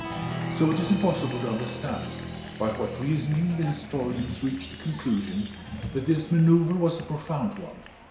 So it is impossible to understand by what reasoning the historians reach the conclusion that this maneuver was a profound one.